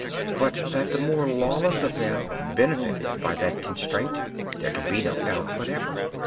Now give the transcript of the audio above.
But that the more lawless of them benefited by that constraint there can be no doubt whatever.